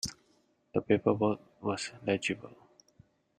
The paperwork was legible.